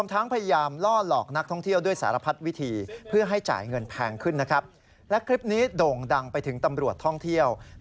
ซึ่งล่าการรักษาราชการแทนผู้บัญชาการตำรวจท่องเที่ยว